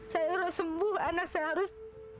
saya harus sembuh anak saya harus